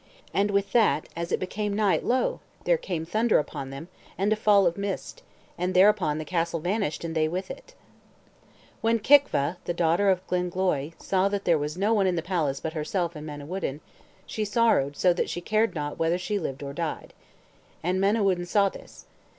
And with that, as it became night, lo! there came thunder upon them, and a fall of mist; and thereupon the castle vanished, and they with it. When Kicva, the daughter of Gwynn Gloy, saw that there was no one in the palace but herself and Manawyddan, she sorrowed so that she cared not whether she lived or died. And Manawyddan saw this.